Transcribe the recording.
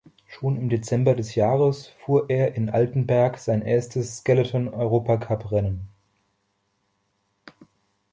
Schon im Dezember des Jahres fuhr er in Altenberg sein erstes Skeleton-Europacup-Rennen.